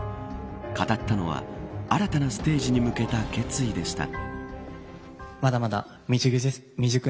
語ったのは新たなステージに向けた決意でした。